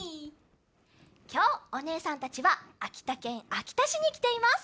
きょうおねえさんたちはあきたけんあきたしにきています。